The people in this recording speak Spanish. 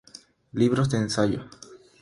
Libros de ensayo